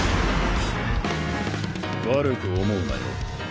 悪く思うなよ。